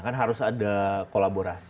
kan harus ada kolaborasi